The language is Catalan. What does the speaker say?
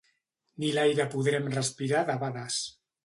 Ni l'aire podrem respirar debades.